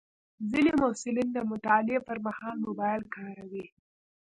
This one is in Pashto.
ځینې محصلین د مطالعې پر مهال موبایل کاروي.